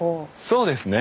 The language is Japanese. そうですね。